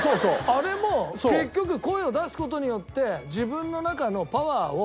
あれも結局声を出す事によって自分の中のパワーを出してるわけよ。